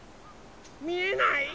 みえない？